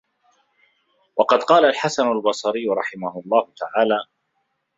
وَقَدْ قَالَ الْحَسَنُ الْبَصْرِيُّ رَحِمَهُ اللَّهُ تَعَالَى